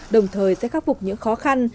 đồng thời sẽ khắc phục những khó khăn